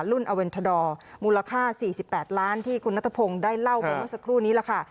รุ่นอเวนทดอร์มูลค่าสี่สิบแปดล้านที่คุณณธพงษ์ได้เล่าไปเมื่อสักครู่นี้ล่ะค่ะ